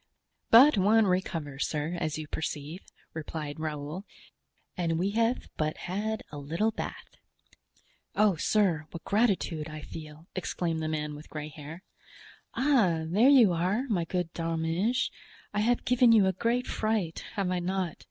"But one recovers, sir, as you perceive," replied Raoul, "and we have but had a little bath." "Oh! sir, what gratitude I feel!" exclaimed the man with gray hair. "Ah, there you are, my good D'Arminges; I have given you a great fright, have I not?